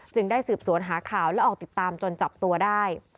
ได้สืบสวนหาข่าวและออกติดตามจนจับตัวได้